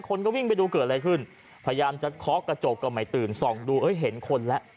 คนก็วิ่งไปดูเกิดอะไรขึ้นพยายามจะเคาะกระจกก็ไม่ตื่นส่องดูเอ้ยเห็นคนแล้ว